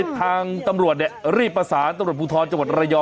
ก็เลยทางตำรวจเนี่ยรีบประสานตำรวจภูทรจังหวัดระยะ